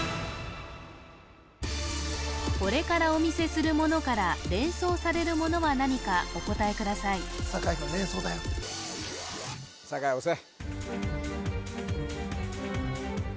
これからお見せするものから連想されるものは何かお答えください酒井押せ！